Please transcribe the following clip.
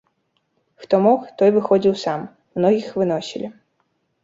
Хто мог, той выходзіў сам, многіх выносілі.